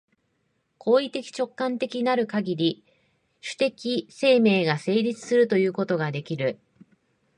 行為的直観的なるかぎり、種的生命が成立するということができる。